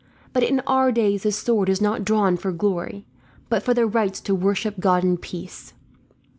But in our days the sword is not drawn for glory, but for the right to worship God in peace.